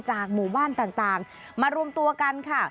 หมู่บ้านต่างมารวมตัวกันค่ะ